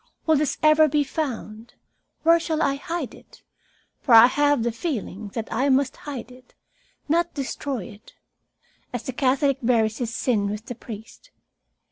"Will this ever be found? Where shall I hide it? For I have the feeling that I must hide it, not destroy it as the Catholic buries his sin with the priest.